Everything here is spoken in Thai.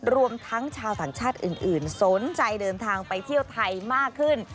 รวมทั้งชาวต่างชาติอื่นสนใจเดินทางไปเที่ยวไทยมากขึ้น